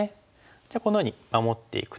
じゃあこのように守っていくと。